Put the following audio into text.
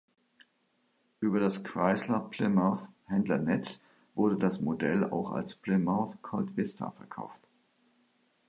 Über das Chrysler-Plymouth-Händlernetz wurde das Modell auch als Plymouth Colt Vista verkauft.